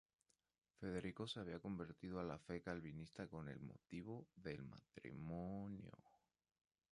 Federico se había convertido a la fe calvinista con el motivo del matrimonio.